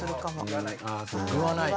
言わない。